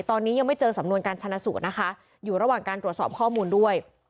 ตอนนี้ยังไม่เจอสำนวนการชนะสูตรนะคะอยู่ระหว่างการตรวจสอบข้อมูลด้วย